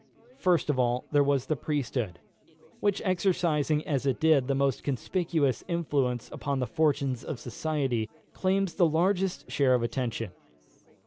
First of all, there was the priesthood, which, exercising as it did the most conspicuous influence upon the fortunes of society, claims the largest share of attention.